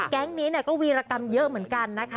แก๊งนี้ก็วีรกรรมเยอะเหมือนกันนะคะ